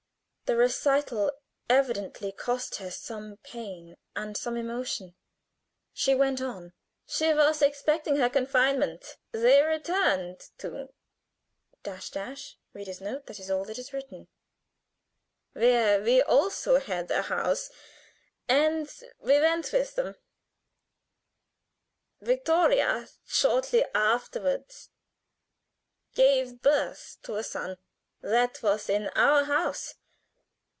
The recital evidently cost her some pain and some emotion. She went on: "She was expecting her confinement. They returned to , where we also had a house, and we went with them. Vittoria shortly afterward gave birth to a son. That was in our house.